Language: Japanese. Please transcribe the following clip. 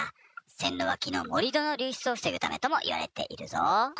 線路脇の盛り土の流出を防ぐためとも言われているぞ。